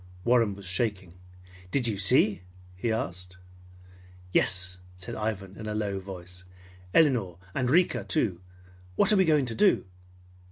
Warren was shaking. "Did you see?" he asked. "Yes," said Ivan in a low voice. "Elinor and Rika, too! What are we going to do?"